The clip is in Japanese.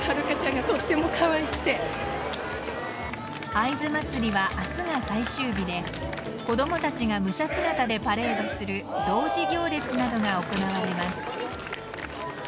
会津まつりは明日が最終日で子供たちが武者姿でパレードする童子行列などが行われます。